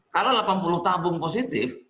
karena delapan puluh tabung positif